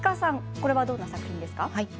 これはどんな作品ですか。